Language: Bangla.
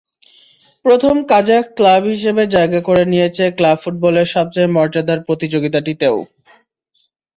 প্রথম কাজাখ ক্লাব হিসেবে জায়গা করে নিয়েছে ক্লাব ফুটবলের সবচেয়ে মর্যাদার প্রতিযোগিতাটিতে।